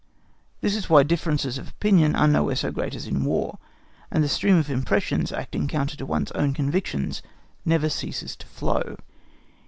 This is why differences of opinion are nowhere so great as in War, and the stream of impressions acting counter to one's own convictions never ceases to flow.